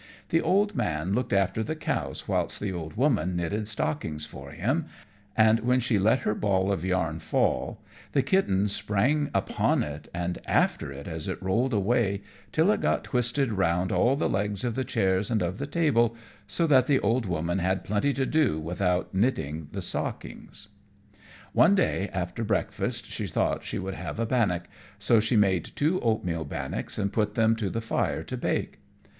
The old man looked after the cows whilst the old woman knitted stockings for him, and when she let her ball of yarn fall the kittens sprang upon it, and after it as it rolled away, till it got twisted round all the legs of the chairs and of the table, so that the old woman had plenty to do without knitting the stockings. One day, after breakfast, she thought she would have a bannock, so she made two oatmeal bannocks and put them to the fire to bake.